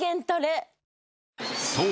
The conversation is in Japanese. そう。